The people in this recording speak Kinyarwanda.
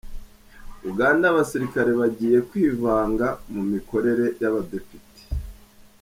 Uganda Abasirikare bagiye kwivanga mu mikorere y’abadepite